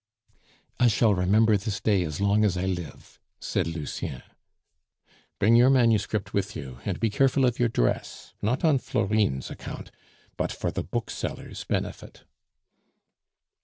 "I shall remember this day as long as I live," said Lucien. "Bring your manuscript with you, and be careful of your dress, not on Florine's account, but for the booksellers' benefit."